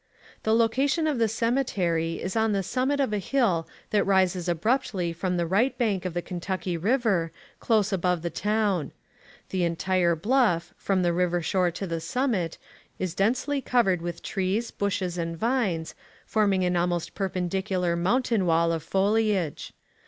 The location of the Cemetery is on the summit of a hill that rises abruptly from the right bank of the Kentucky River, close above the town. The entire bluff, from the river shore to the summit, is densely covered with trees, bushes, and vines, forming an almost perpendicular mountain wall of foliage.